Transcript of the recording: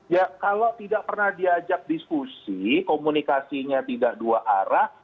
ya kalau tidak pernah diajak diskusi komunikasinya tidak dua arah